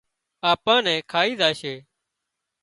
آپان نين کائي زاشي